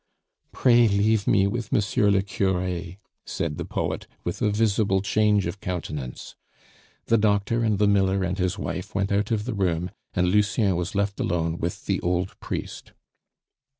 "Pray leave me with M. le Cure," said the poet, with a visible change of countenance. The doctor and the miller and his wife went out of the room, and Lucien was left alone with the old priest.